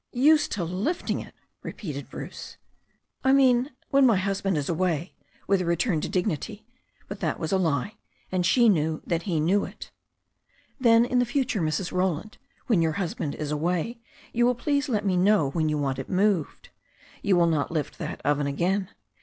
"Used to lifting it!" repeated Bruce. "I mean, when my husband is away," with a return to dignity. But that was a lie, and she knew that he knew it "Then in future, Mrs. Roland, when your husband is away, you will please let me know when you want it moved. You will not lift that oven again.